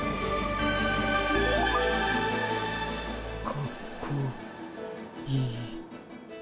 かっこいい。